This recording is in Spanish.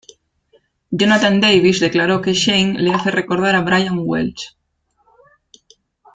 Jonathan Davis declaró que Shane "le hace recordar a Brian Welch".